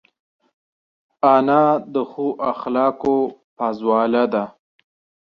انا د ښو اخلاقو پازواله ده